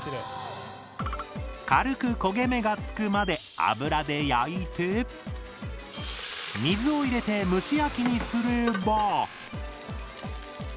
軽く焦げ目がつくまで油で焼いて水を入れて蒸し焼きにすれば。